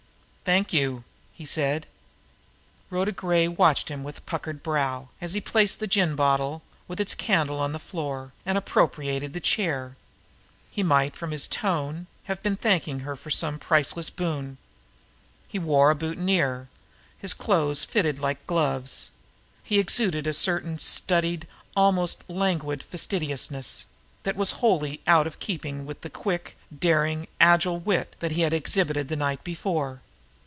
"Thank you!" he said. Rhoda Gray watched him with puckered brow, as he placed the gin bottle with its candle on the floor, and appropriated the chair. He might, from his tone, have been thanking her for some priceless boon. He wore a boutonniere. His clothes fitted him like gloves. He exuded a certain studied, almost languid fastidiousness that was wholly out of keeping with the quick, daring, agile wit that he had exhibited the night before.